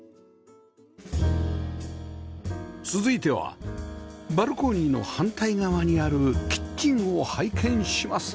続いてはバルコニーの反対側にあるキッチンを拝見します